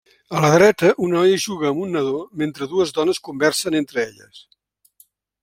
A la dreta, una noia juga amb un nadó, mentre dues dones conversen entre elles.